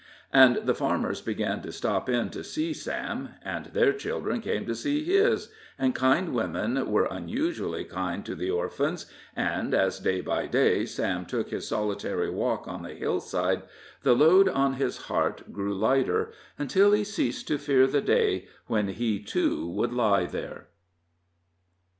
And the farmers began to stop in to see Sam, and their children came to see his, and kind women were unusually kind to the orphans, and as day by day Sam took his solitary walk on the hillside, the load on his heart grew lighter, until he ceased to fear the day when he, too, should lie there.